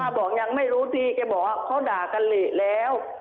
ป้าบอกยังไม่รู้ทีเค้าบอกว่าเค้าด่ากันเหล็กแล้ว